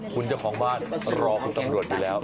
คุณเจ้าของบ้านรอคุณตำรวจอยู่แล้ว